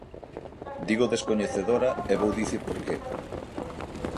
Digo descoñecedora e vou dicir por que.